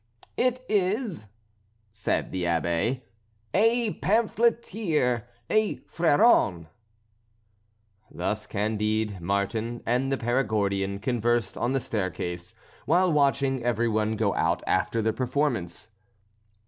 "It is," said the Abbé, "a pamphleteer a Fréron." Thus Candide, Martin, and the Perigordian conversed on the staircase, while watching every one go out after the performance.